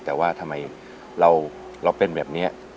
แต่ว่าทำไมเราเป็นแบบนี้